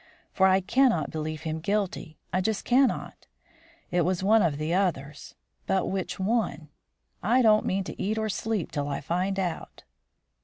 For I cannot believe him guilty; I just cannot. It was one of the others. But which one? I don't mean to eat or sleep till I find out."